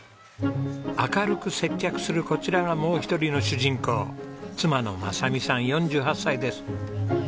明るく接客するこちらがもう一人の主人公妻の昌美さん４８歳です。